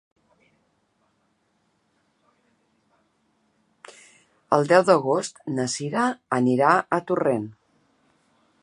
El deu d'agost na Sira anirà a Torrent.